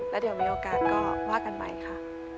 แล้วเดี๋ยวมีโอกาสก็ว่ากันใหม่ค่ะ